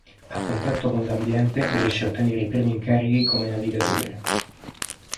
A contatto con l'ambiente, riesce a ottenere i primi incarichi come navigatore.